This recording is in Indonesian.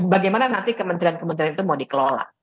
bagaimana nanti kementerian kementerian itu mau dikelola